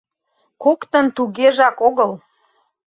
Коктын тугежак огыл.